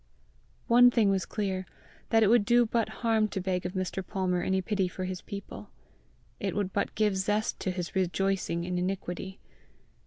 One thing was clear that it would do but harm to beg of Mr. Palmer any pity for his people: it would but give zest to his rejoicing in iniquity!